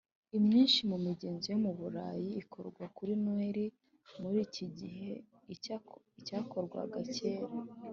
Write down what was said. Imyinshi mu migenzo yo mu Burayi ikorwa kuri Noheli muri iki gihe n iyakorwaga kera